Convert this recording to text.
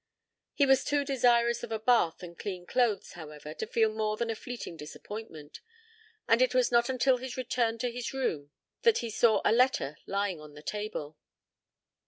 He was too desirous of a bath and clean clothes, however, to feel more than a fleeting disappointment, and it was not until his return to his room that he saw a letter lying on the table.